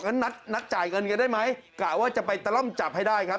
งั้นนัดจ่ายเงินกันได้ไหมกะว่าจะไปตะล่อมจับให้ได้ครับ